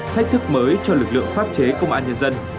thách thức mới cho lực lượng pháp chế công an nhân dân